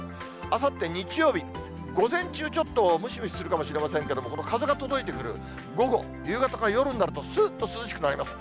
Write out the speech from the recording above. あさって日曜日、午前中、ちょっとムシムシするかもしれませんけれども、この風が届いてくる午後、夕方から夜になると、すーっと涼しくなります。